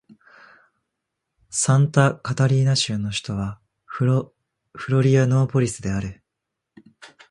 サンタカタリーナ州の州都はフロリアノーポリスである